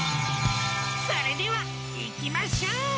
それではいきましょう！